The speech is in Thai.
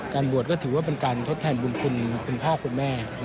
บวชก็ถือว่าเป็นการทดแทนบุญคุณคุณพ่อคุณแม่